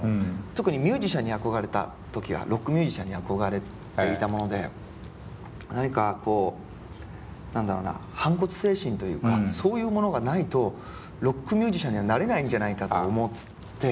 特にミュージシャンに憧れた時はロックミュージシャンに憧れていたもので何かこう何だろうな反骨精神というかそういうものがないとロックミュージシャンにはなれないんじゃないかと思って。